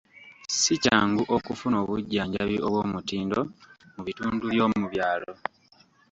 Ssi kyangu okufuna obujjanjabi obw'omutindo mu bitundu by'omu byalo.